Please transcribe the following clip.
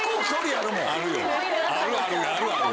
あるあるあるある。